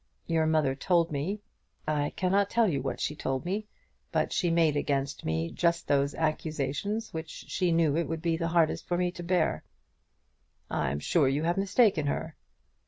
Your mother told me; I cannot tell you what she told me, but she made against me just those accusations which she knew it would be the hardest for me to bear." "I'm sure you have mistaken her."